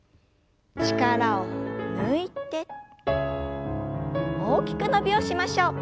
力を抜いて大きく伸びをしましょう。